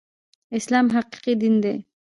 اسلام حقيقي دين دی